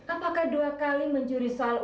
apakah dua kali mencuri soal